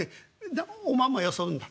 おまんまよそうんだ。